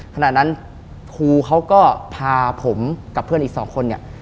ขณะนั้นครูเขาก็พาผมกับเพื่อนอีก๒คน